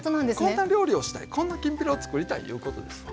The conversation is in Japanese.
こんな料理をしたいこんなきんぴらをつくりたいいうことですわ。